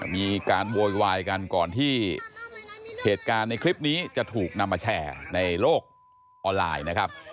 มีการโวยวายกันก่อนที่เหตุการณ์ในคลิปนี้จะถูกนำมาแชร์ในโลกออนไลน์นะครับ